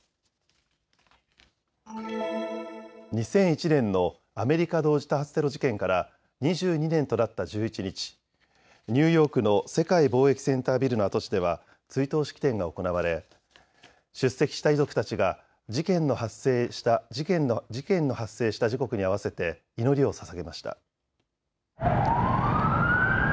２００１年のアメリカ同時多発テロ事件から２２年となった１１日、ニューヨークの世界貿易センタービルの跡地では追悼式典が行われ出席した遺族たちが事件の発生した時刻に合わせて祈りをささげました。